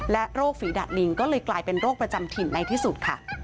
โรคฝีดาดลิงก็เลยกลายเป็นโรคประจำถิ่นในที่สุดค่ะ